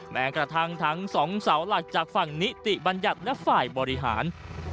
แม้กระทั่งทั้งสองเสาหลักจากฝั่งนิติบัญญัติและฝ่ายบริหาร